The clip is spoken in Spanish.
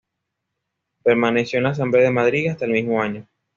Permaneció en la Asamblea de Madrid hasta el mismo año.